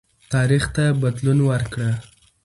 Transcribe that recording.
تاریخ ته بدلون ورکړه.